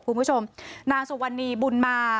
คุณผู้ชมนางสุวรรณีบุญมา